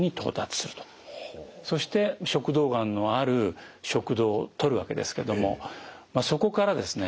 そして食道がんのある食道を取るわけですけどもそこからですね